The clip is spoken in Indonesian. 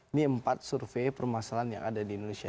ini empat survei permasalahan yang ada di indonesia